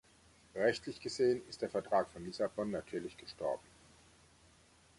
Aber rechtlich gesehen ist der Vertrag von Lissabon natürlich gestorben.